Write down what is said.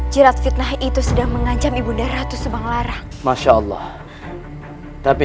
jirat fitnah itu sedang mengancam ibunda ratu sebanglarang masya allah tapi